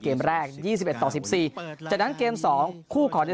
เกมแรกยี่สิบเอ็ดต่อสิบสี่จัดนั้นเกมสองคู่ขอเน็น